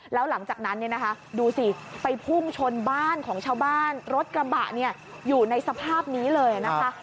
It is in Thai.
แล้วหลังจากนั้นเนี่ยนะคะดูสิไปพุ่งชนบ้านของชาวบ้านรถกระบะเนี่ยอยู่ในสภาพนี้เลยนะคะ